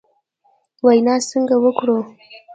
وینا څنګه وکړو ؟